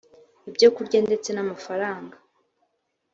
ibyo kurya ndetse n’amafaranga